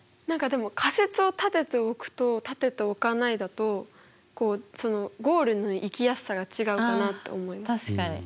何かでも仮説を立てておくと立てておかないだとこうゴールの行きやすさが違うかなって思います。